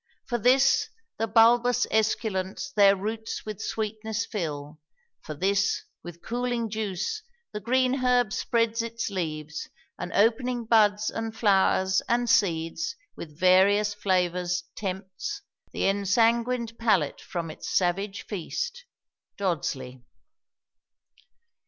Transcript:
For this, the bulbous esculents their roots With sweetness fill; for this, with cooling juice The green herb spreads its leaves; and opening buds And flowers and seeds with various flavors tempts Th' ensanguined palate from its savage feast. DODSLEY.